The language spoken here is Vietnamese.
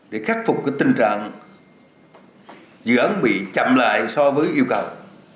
để khắc phục tình trạng dự án bị chậm lại so với yêu cầu